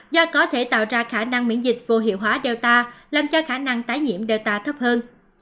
do có thể tạo ra khả năng miễn dịch vô hiệu hóa data làm cho khả năng tái nhiễm delta thấp hơn